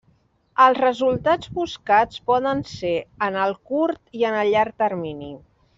Els resultats buscats poden ser en el curt i en el llarg termini.